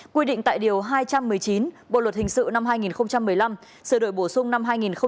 quy định tại điều hai trăm một mươi chín bộ luật hình sự năm hai nghìn một mươi năm sửa đổi bổ sung năm hai nghìn một mươi bảy